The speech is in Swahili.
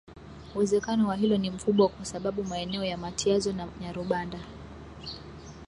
Uwezekano wa hilo ni mkubwa kwa sababu maeneo ya matyazo na nyarubanda